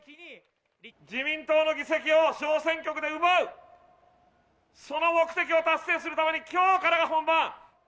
自民党の議席を小選挙区で奪う、その目的を達成するために、きょうからが本番。